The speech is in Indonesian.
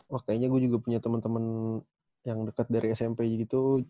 wah kayaknya gue juga punya temen temen yang deket dari smp gitu